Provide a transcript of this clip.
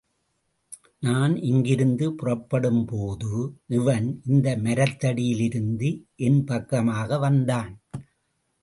நான் இங்கிருந்து புறப்படும்போது இவன், இந்த மரத்தடியிலிருந்து என் பக்கமாக வந்தான்.